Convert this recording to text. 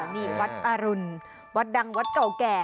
นี่วัดอรุณวัดดังวัดเก่าแก่